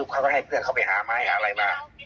เขาก็ให้เพื่อนเขาไปหาไม้หาอะไรมา